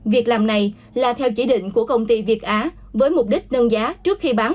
việc làm này là theo chỉ định của công ty việt á với mục đích nâng giá trước khi bán